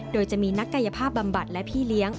โดยจะมีนักกายภาพบำบัดและพี่เลี้ยง